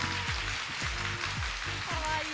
かわいい。